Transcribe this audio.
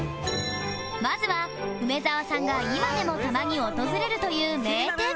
まずは梅沢さんが今でもたまに訪れるという名店